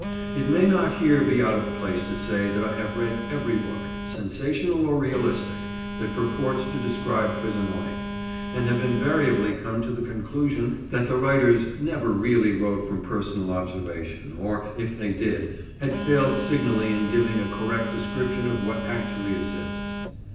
It may not here be out of place to say that I have read every book, sensational or realistic, that purports to describe prison life, and have invariably come to the conclusion that the writers never really wrote from personal observation, or, if they did, had failed signally in giving a correct description of what actually exists.